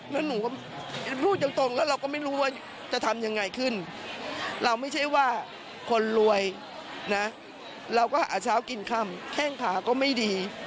แล้วหนูก็พูดตรงแล้วเราก็ไม่รู้ว่าจะทำยังไงขึ้นเราไม่ใช่ว่าคนรวยนะเราก็หาเช้ากินค่ำแข้งขาก็ไม่ดี